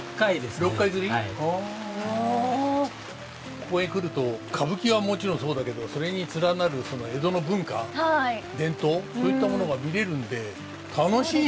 ここへ来ると歌舞伎はもちろんそうだけどそれに連なる江戸の文化伝統そういったものが見れるんで楽しいね。